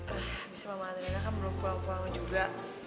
eh abis mama madriana kan belum pulang pulang juga